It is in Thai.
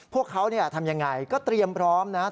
พวกเขาทำยังไงก็เตรียมพร้อมนะ